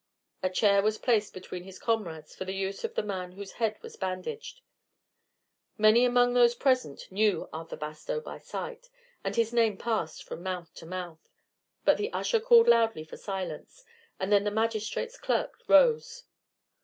A chair was placed between his comrades for the use of the man whose head was bandaged. Many among those present knew Arthur Bastow by sight, and his name passed from mouth to mouth; but the usher called loudly for silence, and then the magistrates' clerk rose.